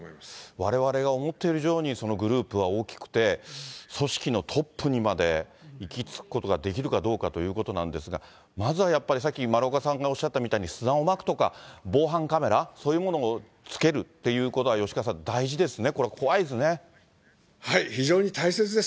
われわれが思ってる以上に、グループは大きくて、組織のトップにまでいきつくことができるかどうかということなんですが、まずはやっぱり、さっき丸岡さんがおっしゃったみたいに、砂をまくとか、防犯カメラ、そういうものを付けるっていうことは吉川さん、大事ですね、これ、非常に大切です。